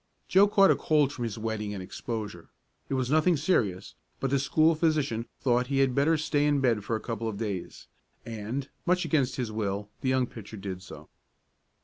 Joe caught a cold from his wetting and exposure. It was nothing serious, but the school physician thought he had better stay in bed for a couple of days, and, much against his will the young pitcher did so.